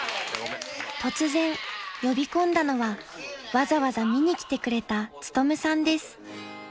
［突然呼び込んだのはわざわざ見に来てくれた努さんです］